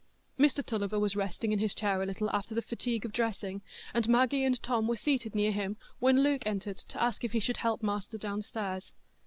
Mr Tulliver was resting in his chair a little after the fatigue of dressing, and Maggie and Tom were seated near him, when Luke entered to ask if he should help master downstairs.